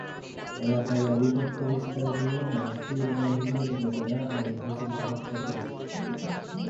এলাকায় আধিপত্য বিস্তার নিয়ে নাছির বাহিনীর লোকেরা আবুল হোসেনকে হত্যা করেছে।